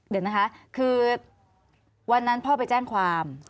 เดี๋ยวนะคะคือวันนั้นพ่อไปแจ้งความ